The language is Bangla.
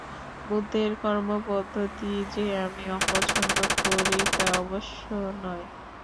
বুদ্ধের কর্মপদ্ধতি যে আমি অপচ্ছন্দ করি, তা অবশ্য নয়।